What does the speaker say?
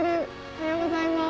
おはようございます。